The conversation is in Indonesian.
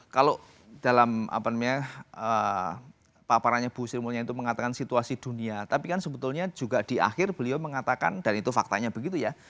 kalau dalam paparannya bu sri mulya itu mengatakan situasi dunia tapi kan sebetulnya juga di akhir beliau mengatakan dan itu faktanya begitu ya